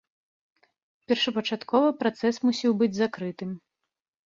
Першапачаткова працэс мусіў быць закрытым.